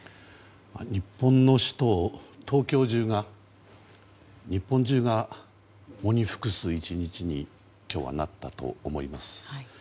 日本の首都・東京中が日本中が喪に服す１日に今日はなったと思います。